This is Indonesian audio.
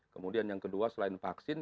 kemudian yang kedua selain vaksin